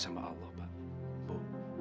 sama allah pak bu